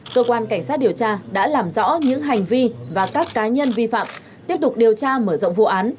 cơ quan cảnh sát điều tra đã làm rõ những hành vi và các cá nhân vi phạm tiếp tục điều tra mở rộng vụ án